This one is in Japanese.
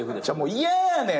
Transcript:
嫌やねん！